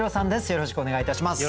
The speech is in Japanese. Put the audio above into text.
よろしくお願いします。